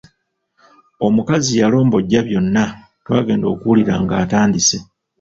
Omukazi yalombojja byonna, twangenda okuwulira ng’atandise.